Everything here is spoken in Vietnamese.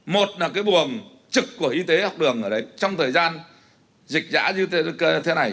một là cái buồng trực của y tế học đường trong thời gian dịch giã như thế này